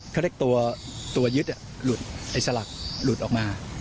เขาเรียกตัวยึดหลุดไอ้สลักหลุดออกมา